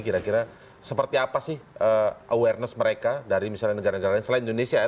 kira kira seperti apa sih awareness mereka dari misalnya negara negara lain selain indonesia ya